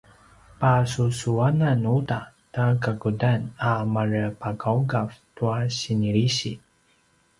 pasusuanan uta ta kakudan a marepagaugav tua sinilisi